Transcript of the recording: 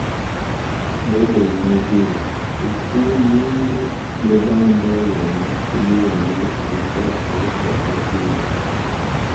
Boboya nage utu mundu go bamba uyona ibundi na buchafu gwa kwatibwe.